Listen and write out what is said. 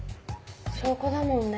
証拠だもんね。